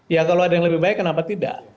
ya kalau ada yang lebih baik kenapa tidak